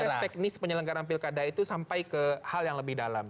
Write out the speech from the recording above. proses teknis penyelenggaran pilkada itu sampai ke hal yang lebih dalam